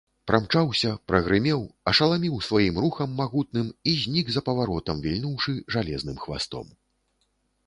Прамчаўся, прагрымеў, ашаламіў сваім рухам магутным і знік за паваротам, вільнуўшы жалезным хвастом.